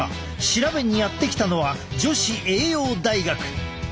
調べにやって来たのは女子栄養大学。